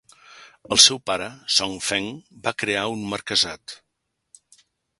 El seu pare Song Feng va crear un marquesat.